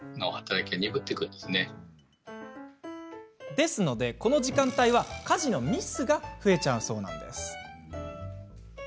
なので、この時間帯は家事のミスが増えちゃうそうなんです。